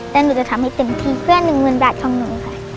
แล้วหนูจะทำให้เต็มที่เพื่อหนึ่งหมื่นบาทของหนูค่ะ